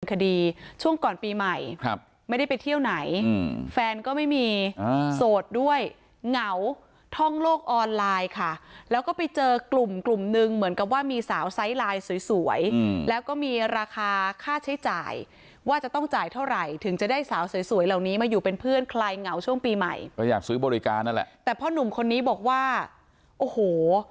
ช่วงก่อนปีใหม่ครับไม่ได้ไปเที่ยวไหนแฟนก็ไม่มีโสดด้วยเหงาท่องโลกออนไลน์ค่ะแล้วก็ไปเจอกลุ่มกลุ่มนึงเหมือนกับว่ามีสาวไซส์ไลน์สวยแล้วก็มีราคาค่าใช้จ่ายว่าจะต้องจ่ายเท่าไหร่ถึงจะได้สาวสวยเหล่านี้มาอยู่เป็นเพื่อนคลายเหงาช่วงปีใหม่ก็อยากซื้อบริการนั่นแหละแต่พ่อหนุ่มคนนี้บอกว่าโอ้โห